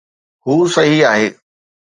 هو صحيح آهي